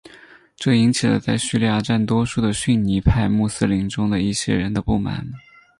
这引起了在叙利亚占多数的逊尼派穆斯林中的一些人的不满。